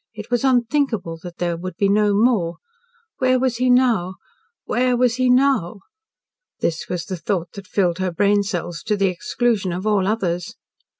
It was unthinkable that there would be no more. Where was he now where was he now? This was the thought that filled her brain cells to the exclusion of all others.